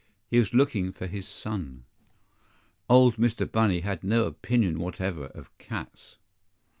He was looking for his son. OLD Mr. Bunny had no opinion whatever of cats.